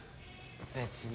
別に。